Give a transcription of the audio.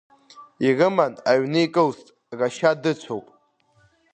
Ирыман аҩны икылст, рашьа дыцәоуп…